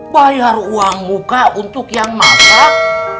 bayar uang muka untuk yang masak